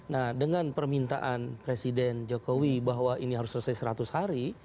nah dengan permintaan presiden jokowi bahwa ini harus selesai seratus hari